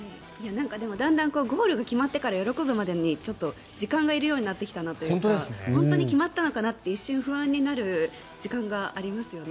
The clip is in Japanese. ゴールが決まってから喜ぶまでに時間がいるようになってきたなというか本当に決まったのかなって一瞬不安になる時間がありますよね。